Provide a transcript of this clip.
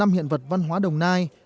năm hiện vật văn hóa đồng nai